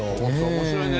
面白いね。